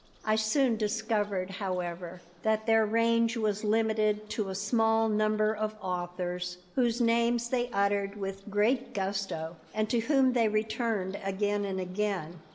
I soon discovered, however, that their range was limited to a small number of authors, whose names they uttered with great gusto and to whom they returned again and again.